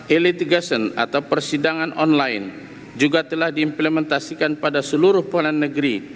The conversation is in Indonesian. ellatigation atau persidangan online juga telah diimplementasikan pada seluruh pengelola negeri